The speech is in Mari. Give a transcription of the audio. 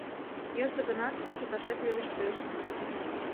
— Йӧсӧ гынат, чыташет верештеш.